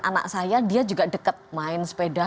anak saya dia juga deket main sepeda